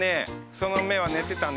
その目は寝てたね。